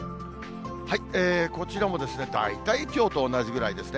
こちらも大体きょうと同じぐらいですね。